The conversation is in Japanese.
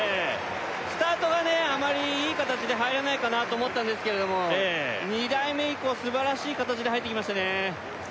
スタートがあまりいい形で入らないかなと思ったんですけれども２台目以降素晴らしい形で入ってきましたね